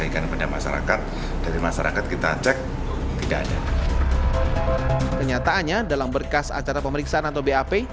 kenyataannya dalam berkas acara pemeriksaan atau bap